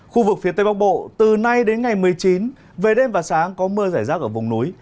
khu vực phía tây bắc bộ từ nay đến ngày một mươi chín về đêm và sáng có mưa rải rác ở vùng núi